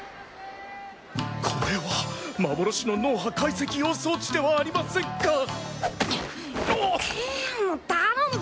これは幻の脳波解析用装置ではありませんか。